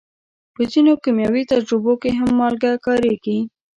په ځینو کیمیاوي تجربو کې هم مالګه کارېږي.